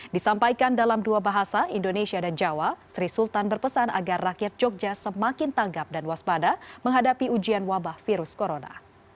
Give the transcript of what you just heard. disampaikan dalam dua bahasa indonesia dan jawa sri sultan berpesan agar rakyat jogja semakin tanggap dan waspada menghadapi ujian wabah virus corona